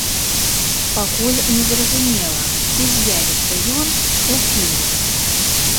Пакуль не зразумела, ці з'явіцца ён у фільме.